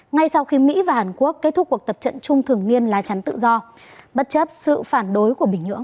ngay sau khi mỹ và hàn quốc kết thúc cuộc tập trận chung thường niên lá chắn tự do bất chấp sự phản đối của bình nhưỡng